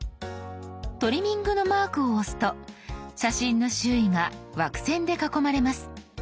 トリミングのマークを押すと写真の周囲が枠線で囲まれます。